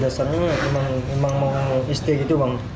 di dasarnya memang mau istirahat gitu bang